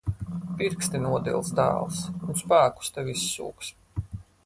Pirksti nodils, dēls. Un spēkus tev izsūks.